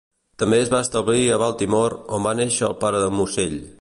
També es va establir a Baltimore, on va néixer el pare de Mossell.